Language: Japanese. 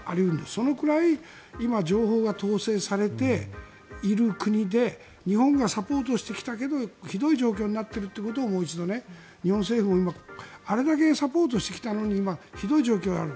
そのくらい今、情報が統制されている国で日本がサポートしてきたけどひどい状況になっているということをもう一度、日本政府もあれだけサポートしてきたのに今、ひどい状況である。